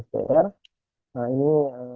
str nah ini